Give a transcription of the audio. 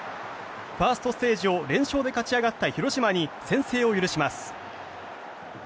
ファーストステージを連勝で勝ち上がった広島に先制を許します。